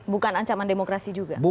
bukan ancaman demokrasi juga